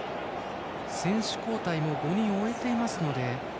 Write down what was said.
選手交代はもう５人終えているので。